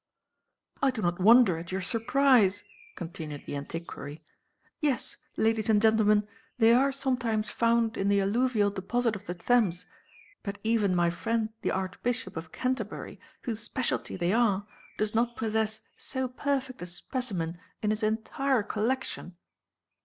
"I do not wonder at your surprise," continued the antiquary. "Yes, Ladies and Gentlemen, they are sometimes found in the alluvial deposit of the Thames; but even my friend, the Archbishop of Canterbury, whose specialty they are, does not possess so perfect a specimen in his entire collection."